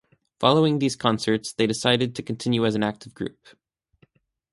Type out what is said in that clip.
Following these concerts, they decided to continue as an active group.